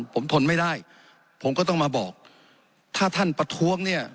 ผมทนไม่ได้ผมก็ต้องมาบอกถ้าท่านประท้วงเนี่ย